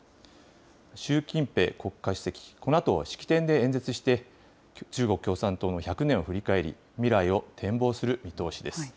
習近平国家主席、このあと、式典で演説して、中国共産党の１００年を振り返り、未来を展望する見通しです。